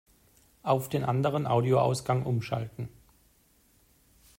Auf den anderen Audioausgang umschalten!